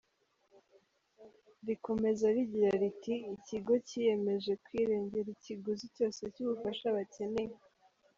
Rikomeza rigira riti “Ikigo cyiyemeje kwirengera ikiguzi cyose cy’ubufasha bakeneye.”